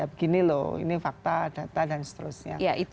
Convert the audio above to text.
begini loh ini fakta data dan seterusnya